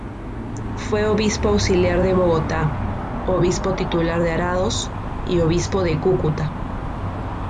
Fue obispo auxiliar de Bogotá, Obispo titular de Arados, y Obispo de Cúcuta.